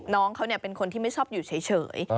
น้องเขาเป็นคนที่ไม่ชอบอยู่เฉย